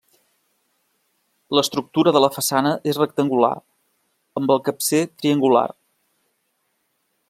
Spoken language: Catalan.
L'estructura de la façana és rectangular amb el capcer triangular.